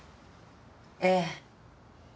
ええ。